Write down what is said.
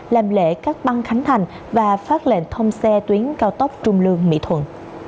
làm lễ các băng khánh thành và phát lệnh thông xe tuyến cao tốc trung lương mỹ thuận